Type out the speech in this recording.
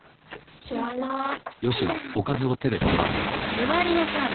座りなさい。